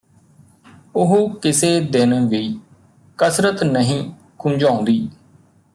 ਉਹ ਕਿਸੇ ਦਿਨ ਵੀ ਕਸਰਤ ਨਹੀਂ ਖੁੰਝਾਉਂਦੀ